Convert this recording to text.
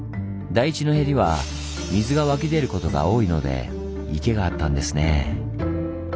台地のへりは水が湧き出ることが多いので池があったんですね。